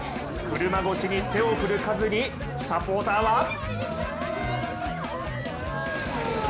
車越しに手を振るカズにサポーターは？